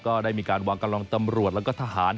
ก็ได้มีการวางกำลังตำรวจแล้วก็ทหาร